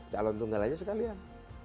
calon tunggal saja sekalian